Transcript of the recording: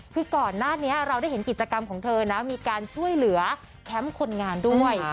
คือก่อนหน้านี้เราได้เห็นกิจกรรมของเธอนะมีการช่วยเหลือแคมป์คนงานด้วย